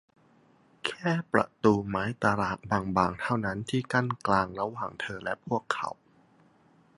แค่ประตูไม้ตารางบาง ๆ เท่านั้น ที่กั้นกลางระหว่างเธอและพวกเขา